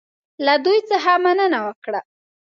له دوی څخه مننه وکړه.